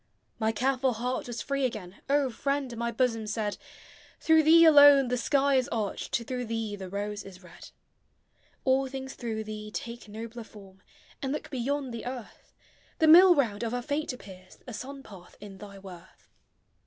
My careful heart was free again; O friend, my bosom said, Through thee alone the sky is arched, Through thee the rose is red ; All things through thee take nobler form, And look beyond the earth ; The mill round of our fate appears A sun path in thy worth.